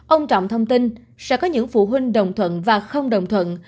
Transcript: ông trọng thông tin sẽ có những phụ huynh đồng thuận và không đồng thuận